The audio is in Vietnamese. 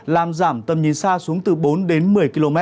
làm giảm tầm nhìn xa xuống từ bốn đến một mươi km